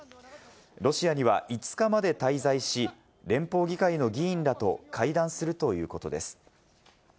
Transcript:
ロシアには５日まで滞在し、連邦議会の議員らと会談するということです。